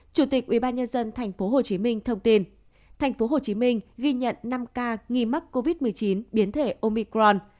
chủ tịch ubnd tp hcm thông tin tp hcm ghi nhận năm ca nghi mắc covid một mươi chín biến thể omicron